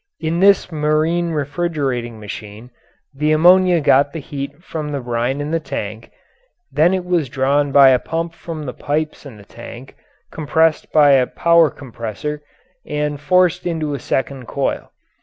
In this marine refrigerating machine the ammonia got the heat from the brine in the tank, then it was drawn by a pump from the pipes in the tank, compressed by a power compressor, and forced into a second coil.